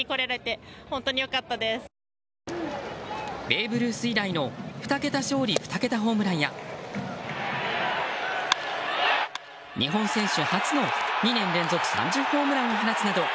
ベーブ・ルース以来の２桁勝利２桁ホームランや日本選手初の、２年連続３０ホームランを放つなど